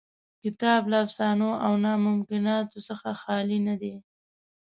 کتاب له افسانو او ناممکناتو څخه خالي نه دی.